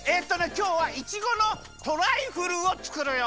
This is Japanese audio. きょうはいちごのトライフルをつくるよ！